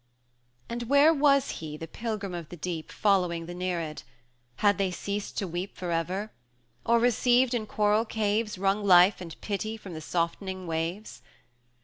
V. And where was he the Pilgrim of the Deep, Following the Nereid? Had they ceased to weep For ever? or, received in coral caves, Wrung life and pity from the softening waves?